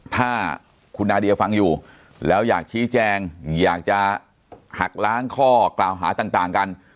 ถ้าคุณนาเดียฟังอยู่แล้วอยากชี้แจงอยากจะหักล้างข้อกล่าวหาต่างกัน